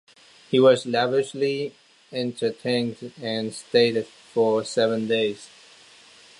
He was lavishly entertained and stayed for seven days.